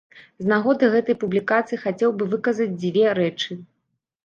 З нагоды гэтай публікацыі хацеў бы выказаць дзве рэчы.